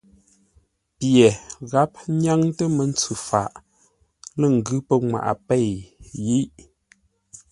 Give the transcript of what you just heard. Pye gháp nyáŋtə́ mə́ntsʉ faʼ lə́ ngʉ́ pənŋwaʼa pěi yiʼ.